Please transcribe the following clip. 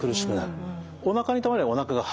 おなかにたまればおなかが張るし。